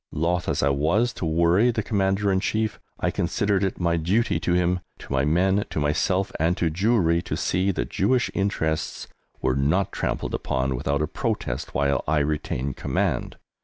Loth as I was to worry the Commander in Chief, I considered it my duty to him, to my men, to myself, and to Jewry to see that Jewish interests were not trampled upon without a protest while I retained command.